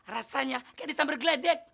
rasanya kayak di sambar geledek